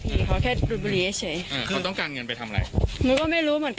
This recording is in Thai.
ไม่มีค่ะโอเคค่ะขอบคุณครับทุกคนขอบคุณครับ